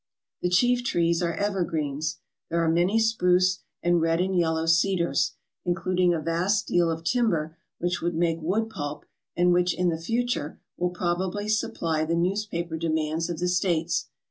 The chief trees are evergreens. There are many spruce, and red and yel low cedars, including a vast deal of timber which would make wood pulp and which in the future will probably supply the newspaper demands of the States.